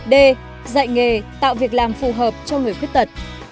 d dạy nghề tạo việc làm phù hợp cho người khuyết tật